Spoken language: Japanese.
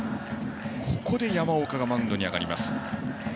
ここで山岡がマウンドに上がります。